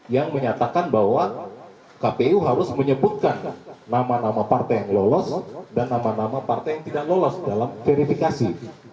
yang menyatakan bahwa kpu harus menyebutkan nama nama partai yang lolos dan nama nama partai yang tidak lolos dalam verifikasi